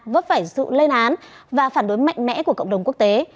vấp phải sự lên án và phản đối mạnh mẽ của cộng đồng quốc tế